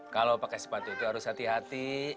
kalau pakai sepatu itu harus hati hati